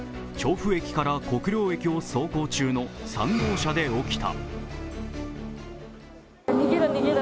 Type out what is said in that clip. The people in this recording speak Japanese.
府駅から国領駅を走行中の３号車で起きた。